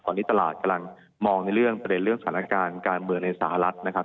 ตอนนี้ตลาดกำลังมองในเรื่องประเด็นเรื่องสถานการณ์การเมืองในสหรัฐนะครับ